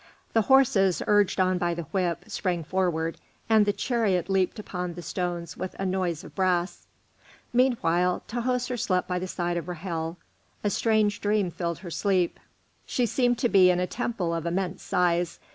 The horses, urged on by the whip, sprang forward, and the chariot leaped upon the stones with a noise of brass. Meanwhile Tahoser slept by the side of Ra'hel. A strange dream filled her sleep. She seemed to be in a temple of immense size.